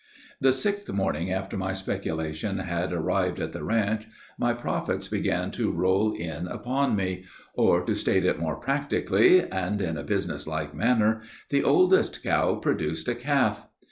"The sixth morning after my speculation had arrived at the ranch, my profits began to roll in upon me, or, to state it more practically, and in a business like manner, the oldest cow produced a calf.